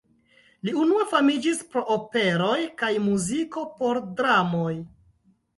Li unue famiĝis pro operoj kaj muziko por dramoj.